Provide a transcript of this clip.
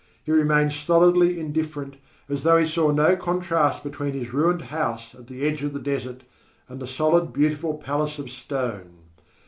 He remained stolidly indifferent, as though he saw no contrast between his ruined house at the edge of the desert and the solid, beautiful palace of stone.